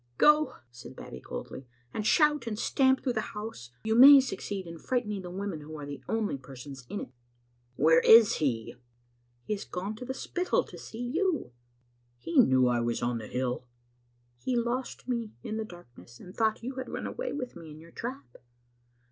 "Go," said Babbie coldly, "and shout and stamp through the house ; you may succeed in frightening the women, who are the only persons in it. " "Where is he?" " He has gone to the Spittal to see you." " He knew I was on the hill, "" He lost me in the darkness, and thought you had run away with me in your trap.